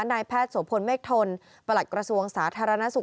นายแพทย์โสพลเมฆทนประหลัดกระทรวงสาธารณสุข